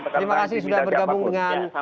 terima kasih sudah bergabung dengan